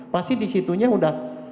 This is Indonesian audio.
pasti disitunya udah